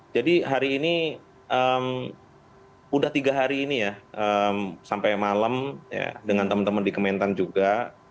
jadi hari ini sudah tiga hari ini ya sampai malam dengan teman teman di kementan juga